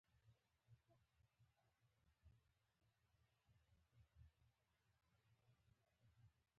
دواړو لورو ترمنځ جګړې وشوې.